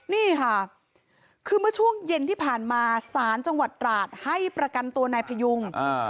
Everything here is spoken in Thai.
นี่ค่ะคือเมื่อช่วงเย็นที่ผ่านมาศาลจังหวัดตราดให้ประกันตัวนายพยุง